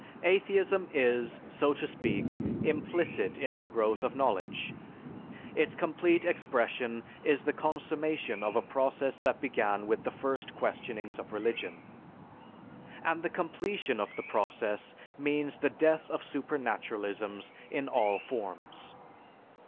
Atheism is, so to speak, implicit in the growth of knowledge, its complete expression is the consummation of a process that began with the first questionings of religion. And the completion of the process means the death of supernaturalisms in all forms.